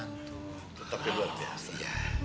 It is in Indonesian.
tetap kebuka biasa